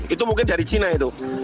itu mungkin dari cina itu